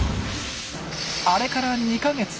あれから２か月。